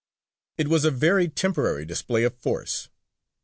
It was a very temporary display of force.